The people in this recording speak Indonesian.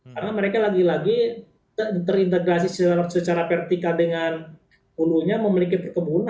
karena mereka lagi lagi terintegrasi secara vertikal dengan ungunya memiliki perkebun